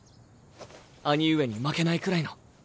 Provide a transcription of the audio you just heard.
兄上に負けないくらいの。